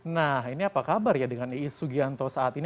nah ini apa kabar ya dengan iis sugianto saat ini